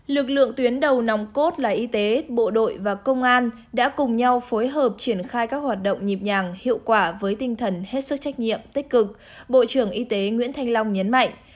lực lượng tuyến đầu nòng cốt là y tế bộ đội và công an đã cùng nhau phối hợp triển khai các hoạt động nhịp nhàng hiệu quả với tinh thần hết sức trách nhiệm tích cực bộ trưởng y tế nguyễn thanh long nhấn mạnh